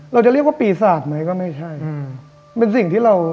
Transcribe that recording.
เราจะเรียกว่าปีศาจไหมก็ไม่ใช่อืมเป็นสิ่งที่เรา